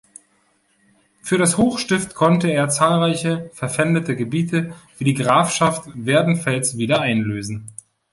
Für das Hochstift konnte er zahlreiche verpfändete Gebiete, wie die Grafschaft Werdenfels, wieder einlösen.